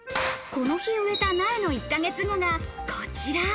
この日植えた苗の１ヶ月後がこちら。